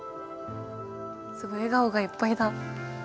すごい笑顔がいっぱいだ。